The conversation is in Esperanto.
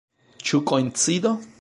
Ĉu koincido?